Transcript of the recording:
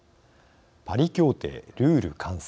パリ協定ルール完成。